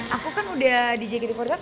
aku kan udah di jkt empat puluh delapan